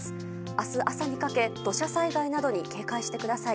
明日朝にかけ土砂災害などに警戒してください。